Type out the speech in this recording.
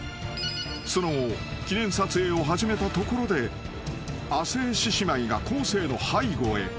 ［その後記念撮影を始めたところで亜生獅子舞が昴生の背後へ］